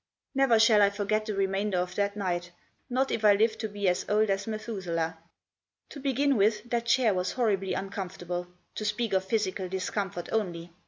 Never shall I forget the remainder of that night, not if I live to be as old as Methuselah. To begin with, that chair was horribly uncomfortable, to speak of physical discomfort only.